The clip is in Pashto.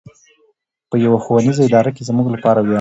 په يوه ښوونيزه اداره کې زموږ لپاره وياړ دی.